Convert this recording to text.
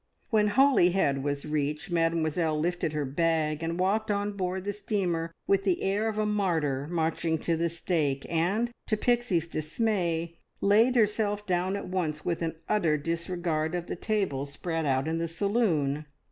When Holyhead was reached, Mademoiselle lifted her bag and walked on board the steamer with the air of a martyr marching to the stake, and, to Pixie's dismay, laid herself down at once with an utter disregard of the tables spread out in the saloon.